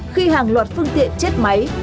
khi hàng loạt phương tiện chết máy